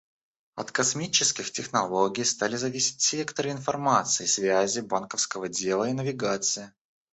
От космических технологий стали зависеть секторы информации, связи, банковского дела и навигации.